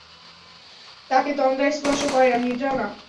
তাঁকে তন্দ্রা স্পর্শ করে না, নিদ্রাও না।